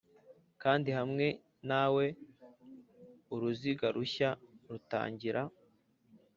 kandi hamwe nawe uruziga rushya rutangira